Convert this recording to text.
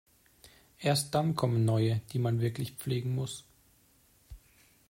Erst dann kommen neue, die man wirklich pflegen muss.